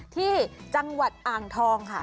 ที่จังหวัดอ่างทองค่ะ